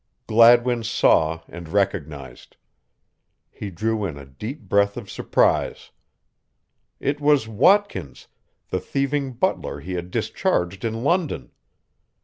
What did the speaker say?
Gladwin saw and recognized. He drew in a deep breath of surprise. It was Watkins, the thieving butler he had discharged in London.